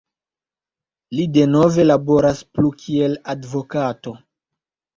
Li denove laboras plu kiel advokato.